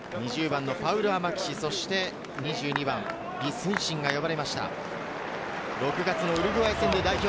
２０番のファウルア・マキシ、そして２２番・李承信が選ばれました。